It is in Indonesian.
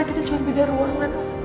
kita cuma beda ruangan